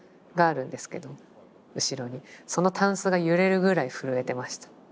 そのたんすが揺れるぐらい震えてました。